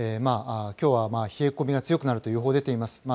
きょうは冷え込みが強くなるという予報が出ています。